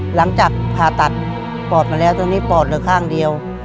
หลังจากผ่าตัดปอดมาแล้วตอนนี้ปอดเหลือข้างเดียว